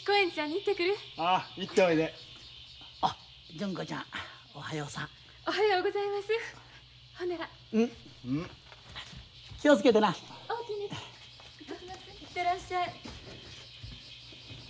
行ってらっしゃい。